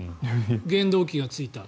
原動機がついた。